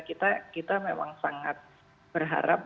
kita memang sangat berharap